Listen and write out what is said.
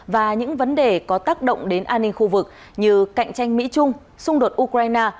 và những vấn đề có tác động đến an ninh khu vực như cạnh tranh mỹ trung xung đột ukraine